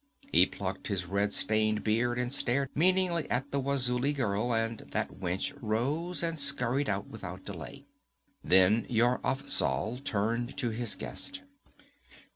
He plucked his red stained beard and stared meaningly at the Wazuli girl, and that wench rose and scurried out without delay. Then Yar Afzal turned to his guest.